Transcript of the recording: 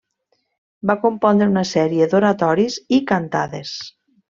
Va compondre una sèrie d'oratoris i cantates.